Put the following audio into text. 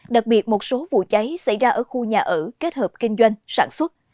đặc biệt một số vụ cháy xảy ra ở khu nhà ở kết hợp kinh doanh sản xuất